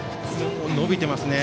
伸びていますね。